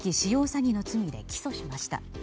詐欺の罪で起訴しました。